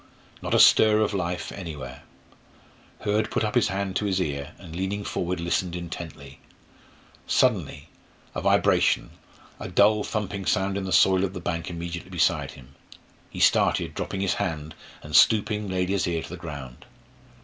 Not a stir of life anywhere. Hurd put up his hand to his ear, and leaning forward listened intently. Suddenly a vibration, a dull thumping sound in the soil of the bank immediately beside him. He started, dropped his hand, and, stooping, laid his ear to the ground.